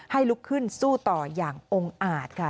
ลุกขึ้นสู้ต่ออย่างองค์อาจค่ะ